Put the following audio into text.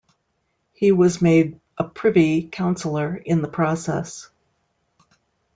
He was made a privy councillor in the process.